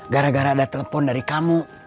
gara gara ada telepon dari kamu